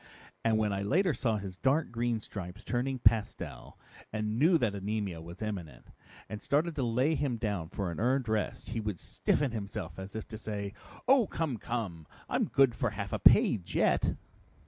And when I later saw his dark green stripes turning pastel and knew that anemia was imminent, and started to lay him down for a earned rest, he would stiffen himself as if to say, 'Oh, come, come! I'm good for half a page yet!'"